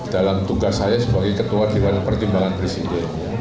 dalam tugas saya sebagai ketua dewan pertimbangan presiden